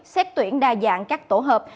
xét tuyển đa dạng các tổ hợp